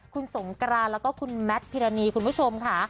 คุณสงกรานแล้วก็คุณแมทพิรณีคุณผู้ชมค่ะ